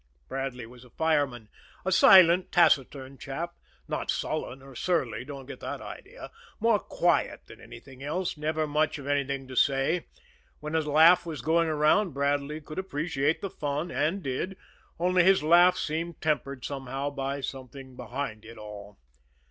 Bradley was a fireman, a silent, taciturn chap. Not sullen or surly don't get that idea more quiet than anything else, never much of anything to say. When a laugh was going around Bradley could appreciate the fun, and did; only his laugh seemed tempered somehow by something behind it all.